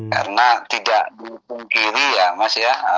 karena tidak dihukum kiri ya mas ya